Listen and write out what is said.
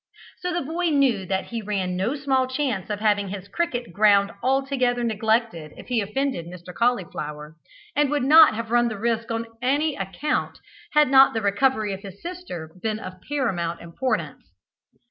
So the boy knew that he ran no small chance of having his cricket ground altogether neglected if he offended Mr. Collyflower, and would not have run the risk on any account, had not the recovery of his sister been of paramount importance.